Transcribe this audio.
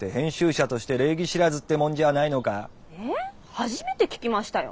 初めて聞きましたよ。